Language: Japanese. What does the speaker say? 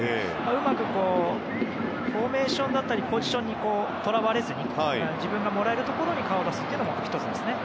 うまくフォーメーションだったりポジションにとらわれずに自分がもらえるところに顔を出すのも１つですね。